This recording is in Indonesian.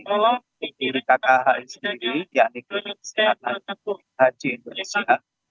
dari kkh sendiri yakni klinik sehat haji indonesia